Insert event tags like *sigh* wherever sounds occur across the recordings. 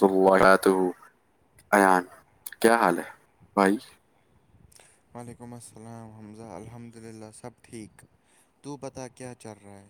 وبرکاتہ۔ ایان کیا حال ہے بھائی وعلیکم السلام رحمضہ الحمد للہ سب ٹھیک تو پتا کیا چل رہا ہے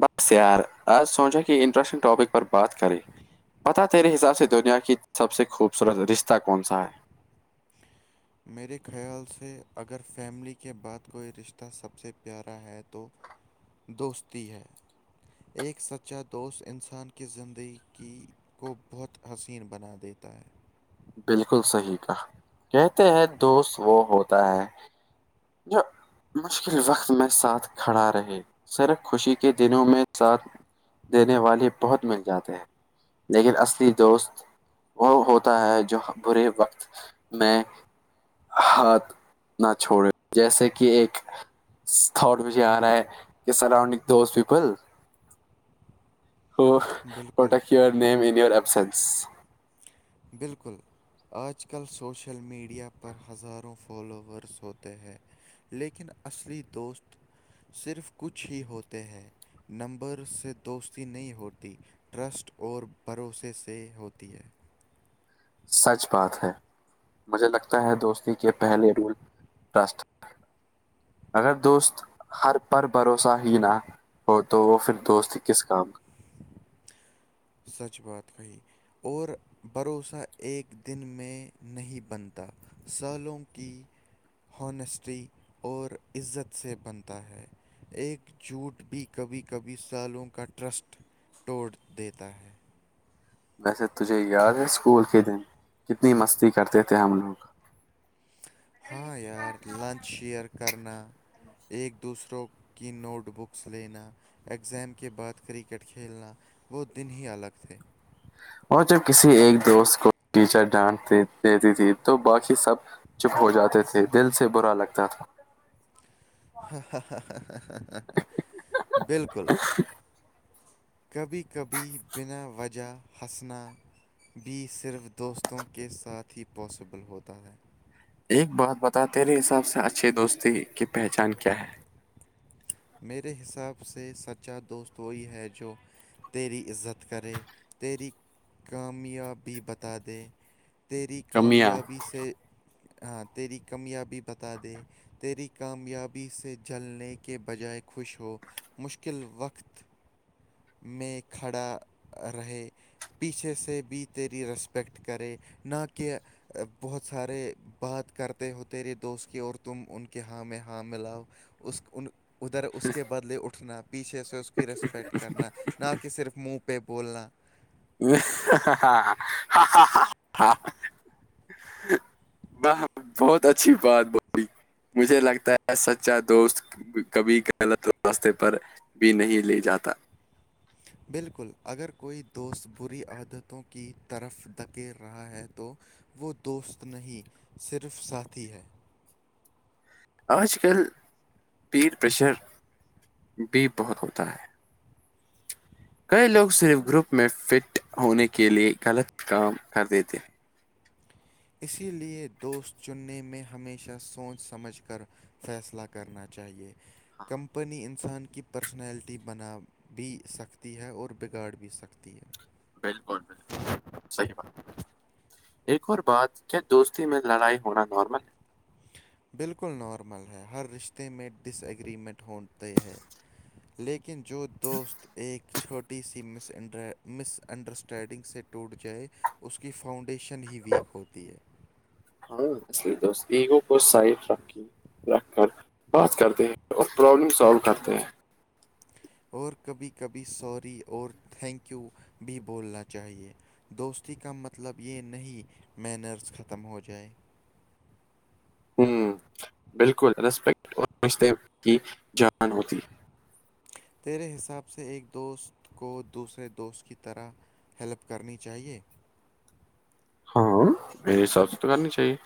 ب یار آج سوچا کہ انٹرسٹنگ ٹاپک پر بات کریں بتا تے حساب سے دنیا کی سب سے خوبصورت رشتہ کون سا ہے میرے خیال سے اگر فیملی کے بعد کوئی رشتہ سب سے پیارا ہے تو دوستی ہے ایک سچا دوست انسان کی زندگی کی کو بہت حسین بنا دیتا ہے بالکل صحیح کا کہتے ہیں دوست وہ ہوتا ہے جو مشکل وقت میں ساتھ کھڑا رہے سر خوشی کے دنوں میں ساتھ دینے والے بہت مل جاتے ہیں لیکن اصلی دوست وہ ہوتا ہے جو برے وقت میں ہاتھ نہ چھوڑے جیسے کہ ایک تھاٹ مجھے آ رہا ہے کہ surrounding those people who what بالکل echo your name in your absence بالکل آج کل سوشل میڈیا پر ہزاروں فالوورس ہوتے ہیں لیکن اصلی دوست صرف کچھ ہی ہوتے ہیں نمبر سے دوستی نہیں ہوتی ٹرسٹ اور بھروسے سے ہوتی تی ہے سچ بات ہے مجھے لگتا ہے دوستی کے پہلے رول ٹرسٹ اگر دوست ہر پر بھروسہ ہی نہ ہو تو تو وہ پھر دوست کس کام کا سچ بات کہی اور بھروسہ ایک دن میں نہیں بنتا سالوں کی ہنیسٹی اور عزت سے بنتا ہے ایک جھوٹ بھی کبھی کبھی سالوں کا ٹرسٹ توٹڑ دیتا ہے ویسے تجھے یاد ہے اسکول کے دن کتنی مستی کرتے تھے ہم لوگ ہاں یار لنچ شیر کرنا ایک دوسروں کی نوٹ بکس لینا ایگزام کے بعد کرکٹ کھیلنا وہ دن ہی الگ تھے اور جب کسی ایک دوست کو ٹیچر ڈانٹ دیتی تھی تو باقی سب چپ ہو جاتے تھے دل سے برا لگتا تھا بالکل کبھی کبھی بنا وجہ ہسنا بھی صرف دوستوں کے ساتھ ہی پاسیبل ہوتا ہے ایک بات بتا تیرے حساب سے اچھیے دوستی کی پہچان کیا ہے میرے حساب سے سچا دوست وہی ہے جو تیری عزت کرے تیری کامیابی بتا دے تیری کمیاں کامیابی سے ہاں تیری کامیابی بتا دے تیری کامیاب بی سے جلنے کے بجائے خوش ہو مشکل وقت میں کھڑا رہے پیچھے سے بھی تیری ریسپییکٹ کرے نہ کہہ بہت سارے بات کرتے ہو تریے دوست کی اور تم ان کے ہاں میں ہاں ملاؤ اس ادھر اس کے بدلے اٹھنا پیچھے سے اس کی ریسپیکٹ کرنا نہ کہ صرف منہ پہ بولنا *unintelligible* بہت اچھی بات بی مجھے لگتا ہے سچا دوست کبھی غلط راستے پر بھی نہیں لے جاتا بالکل اگر کوئی دوست بری عادتوں کی طرف دھکی رہا ہے تو وہ دوست نہیں صرف ساتھی ہے آج کل پیر پریشر بھی بہت ہوتا ہے کئی لوگ صرف گروپ میں فٹ ہونے کے لیے غلط کام کر دیتے اسی لیے دوست چننے میں ہمیشہ سوچ سمجھ کر فیصلہ کرنا چاہیے کمپنی انسان کی پرسنلٹی بنا بھی سکتی ہے اور بگاڑ بھی سکتی ہے بالکل بالکل بالکل صحیح بات ہے ایک اور بات کیا دوستی میں لڑائی ہونا نارمل ہے بالکل نارمل ہے ہر رشتے میں ڈس ایگریمنٹ ہوتے ہے لیکن جو دوست ایک چھوٹی سی مس مس انڈرسٹینڈنگ سے ٹوٹ جائے اس کی فاؤنڈیشن ہی ویک ہوتی ہے ہاں ایگو کو سائیڈ رکھ کے رکھ کر بات کرتے ہیں اور پرابلم سالو کرتے ہیں اور کبھی کبھی سوری اور تھینکیو بھی بولنا چاہیے دوستی کا مطلب یہ نہیں مینرز ختم ہو جائے ہمم بالکل رسپیکٹ ہر رشتے کی جان ہوتی *inaudible* تیرے حساب سے ایک دوست کو دوسرے دوست کی طرح ہیلپ کرنی چاہیے ہاں میرے حساب سے تو کرنی چاہیے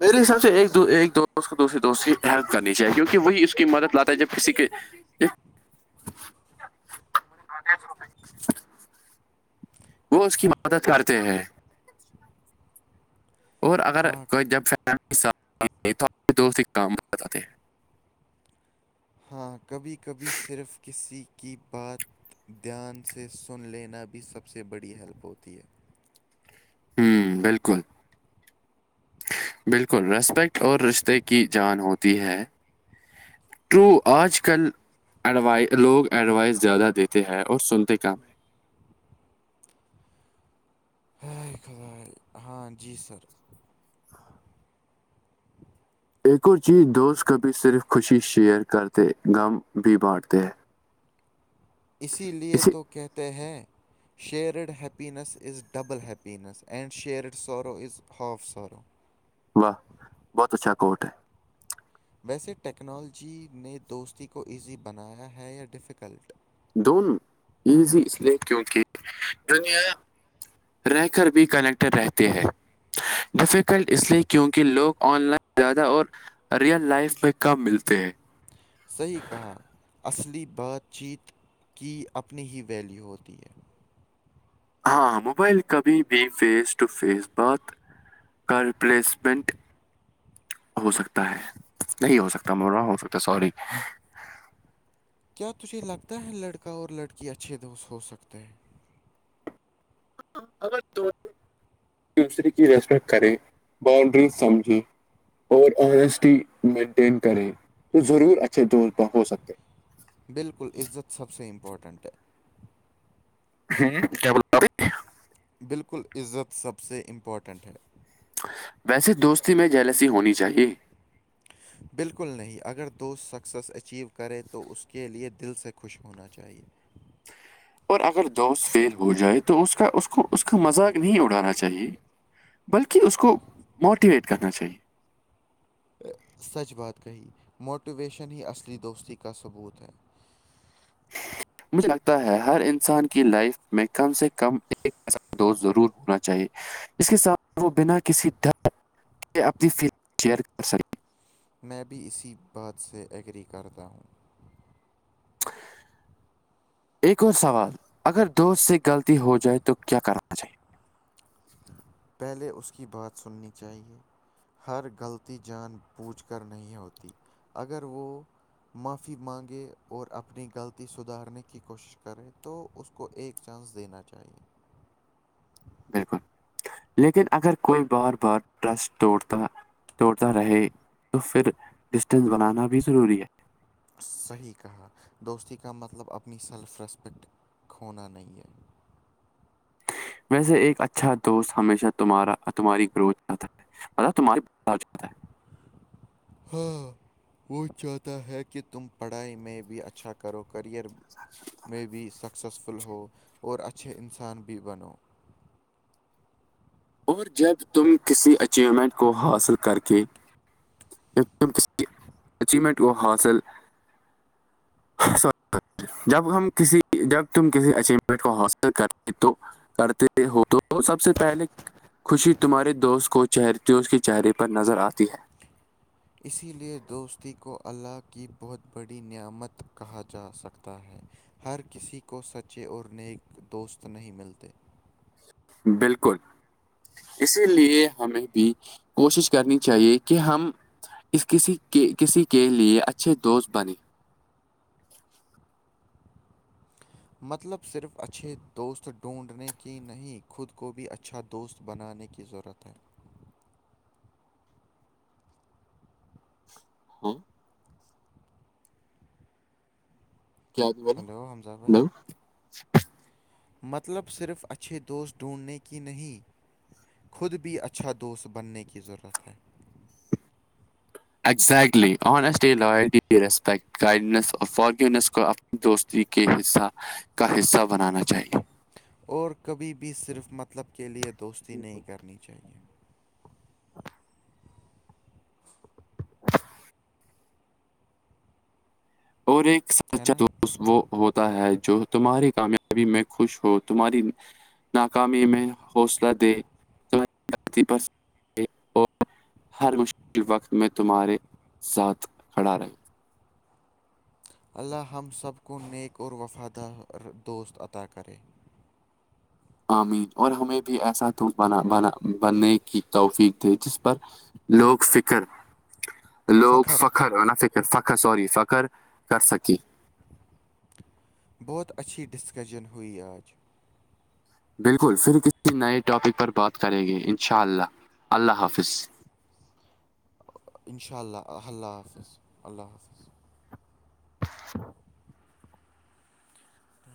میرے حساب سے ایک دو ایک دو اس کو دوسرری دوست کی ہیلپ کرنی چاہیے کیونکہ وہی اس کی مدد لاتا ہے جب کسی کے *inaudible* وہ اس کی مدد کرتے ہیں *inaudible* اور اگر ہاں کوئی جب فیملی ساتھ نہیں دے تو دوست ہی کام اجاتے ہے ہاں کبھی کبھی صرف کسی کی بات دھیان سے سن لینا بھی سب سے بڑی ہیلپ ہوتی ہے ہممم بالکل بالکل ریسپیکٹ اور رشتے کی جان ہوتی ہے تو آج کل ایڈوائ لوگ ایڈوائس زیادہ دیتے ہے اور سنتے کم ہائے خدائے ہاں جی سر ایک اور چیز دوست کبھی صرف خوشی شیئر کرتے غم بھی بانٹتے ہے اسی لیے تو کہتے ہیں shared happiness is double happiness and shared sorrow is half سارو واہ بہت اچھا کوٹ ہے ویسے ٹیکنالوجی نے دوستی کو ایزی بنایا ہے یا ڈفیکلٹ دونوں ایزی اس لیے کیونکہ دنیا رہ کر بھی کلکٹر رہتے ہیں ڈیفیکلٹ اس لیے کیونکہ لوگ آن لائن زیادہ اور ریئل لائف میں کم ملتے ہیں صحیح کہا اصلی بات چیت کی اپنی ہی ویلیو ہوتی ہے ہاں موبائل کبھی بھی فیس ٹو فیس بات کا ریپلیسمنٹ ہو سکتا ہے نہیں ہو سکتا میں بول رہا ہوں ہو سکتا سوری کیا تجھے لگتا ہے لڑکا اور لڑکی اچھے دوست ہو سکتے ہیں اگر دونوں ایک دوسرے کی ریسپیکٹ کریں باؤنڈری سمجھے اور آنیسٹی مینٹین کریں تو ضرور اچھے دوست ہو سکتے ہیں بالکل عزت سب سے امپورٹنٹ ہے ہوں کیا بولتاائی بالکل عزت سب سے امپورٹنٹ ہے ویسے دوستی میں جلسی ہونی چاہیے بالکل نہیں اگر دوست سکسیز اچیو کرے تو اس کے لئے دل سے خوش ہونا چاہیے اور اگر دوست فیل ہو جائے تو اس کا اس کو اس کا مذاق نہیں اڑانا چاہیے بلکہ اس کو موٹیویٹ کرنا چاہیے سچ بات کہی موٹیویشن ہی اصلی دوستی کا ثبوت ہے *inaudible* مجھے لگتا ہے ہر انسان کی لائف میں کم سے کم ایک ایسا دوست ضرور ہونا چاہیے اس کے ساتھ وہ بنا کسی دھر کے اپنی فیلگ شیئر کر سکے میں بھی اسی بات سے ایگری کرتا ہوں ایک اور سوال اگر دوست سے غلطی ہو جائے تو کیا کرنا چاہیے پہلے اس کی بات سننی چاہیے ہر غلطی جان پوچجھ کر نہیں ہوتی اگر وہ معافی مانگے اور اپنی غلطی سدھارنے کی کوشش کرے تو اس کو ایک چانس دینا چاہیے بالکل لیکن اگر کوئی بار بار ٹرسٹ توڑتا توڑتا رہے تو پھر ڈسٹینس بنانا بھی ضروری ہے صحیح کہا دوستی کا مطلب اپنی سیلف ریسپیکٹ کھونا نہیں ہے ویسے ایک اچھا دوست ہمیشہ تمہارا اور تمہاری گروتھ چاہتا ہے مل تمہ باتا ہے ہاں وہ چاہتا ہے کہ تم پڑھائی میں بھی اچھا کرو کریئر س میں بھی سکسیزفل ہو اور اچھے انسان بھی بنو اور جب تم کسی اچیومنٹ کو حاصل کر کے اچیومنٹ کو حاصل ایک سو جب ہم کسی جب تم کسی اچیمنٹ کو حاصل کرتے تو کرتے ہو تو سب سے پہلے خوشی تمہارے دوست کو چہرےز کے چہرے پر نظر آتی ہے اسی لیے دوستی کو اللہ کی بہت بڑی نعمت کہا جا سکتا ہے ہر کسی کو سچے اور نیک دوست نہیں ملتے بالکل اسی لیے ہمیں بھی کوشش کرنی چاہیے کہ ہم اس کسی کے کسی کے لیے اچھے دوست بنیں مطلب صرف اچھے دوست ڈھونڈنے کی نہیں خود کو بھی اچھا دوست بنانے کی ضرورت ہے ہاں کیا تھی بولے ہلو حمزہ بھائی ہلو مطلب صرف اچھے دوست ڈھونڈنے کی نہیں خود بھی اچھا دوست بننے کی ضرورت ہے گزلی آسےپ *unintelligible* دوستی کے حصہ کا حصہ بنانا چاہیے اور کبھی بھی صرف مطلب کے لیے دوستی یہ تو نہیں کرنی چاہیے اور ایک ہے سچا نا دوست وہ ہوتا ہے جو تمہاری کامیابی میں خوش ہو تمہاری ناکامی میں حوصلہ دے ہر مشکل وقت میں تمہارے ساتھ کھڑا رہے ہوں اللہ ہم سب کو نیک اور وفادار دوست عطا کرے امین اور ہمیں بھی ایسا د بنا بنا بننے کی توفیق تھے جس پر لوک فکر *unintelligible* لوگ فخر اور ن فکر فخر سوری فخر کر سکے بہت اچھی ڈسکشن ہوئی آج بالکل پھر کسی نئے ٹاپک پر بات کریں گے ان شاء اللہ اللہ حافظ اشاء اللہ اللہ حافظ اللہ حافظ ا